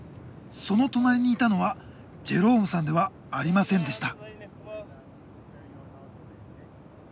その隣にいたのはジェロームさんではありませんでした。